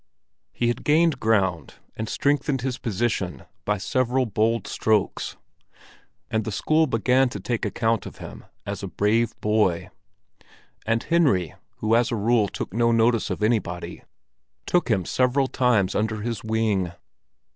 He had gained ground, and strengthened his position by several bold strokes; and the school began to take account of him as a brave boy. And Henry, who as a rule took no notice of anybody, took him several times under his wing.